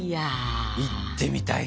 行ってみたいな。